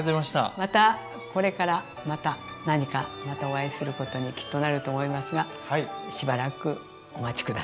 またこれからまた何かまたお会いすることにきっとなると思いますがしばらくお待ち下さい。